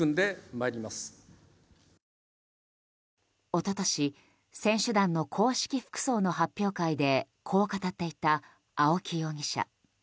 一昨年、選手団の公式服装の発表会でこう語っていた青木容疑者。